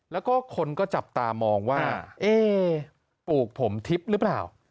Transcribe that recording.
แล้วก็คนก็จับตามองว่าเอ๊ปลูกผมทิพย์หรือเปล่า